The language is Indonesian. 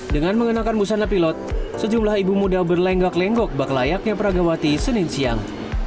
dengan mengenakan busana pilot sejumlah ibu muda berlenggak lenggok baklayaknya peragawati senin siang